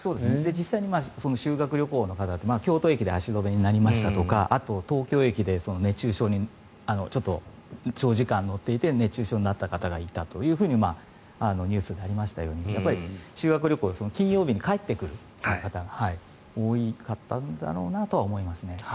実際に修学旅行の方京都駅で足止めになったとかあと、東京駅で長時間乗っていて熱中症になった方がいたとニュースでありましたようにやっぱり修学旅行金曜日に帰ってくる方が多かったんだろうなと思います。